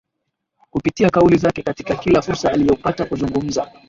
Kupitia kauli zake katika kila fursa aliyopata kuzungumza